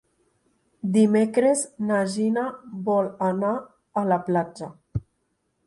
Dimecres na Gina vol anar a la platja.